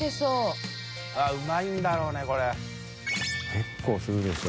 結構するでしょ。